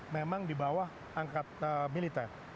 memang di bawah angkat militer